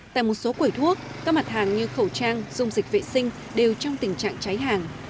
tại một số quầy thuốc các mặt hàng như khẩu trang dung dịch vệ sinh đều trong tình trạng cháy hàng